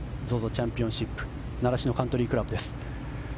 チャンピオンシップ習志野カントリークラブです。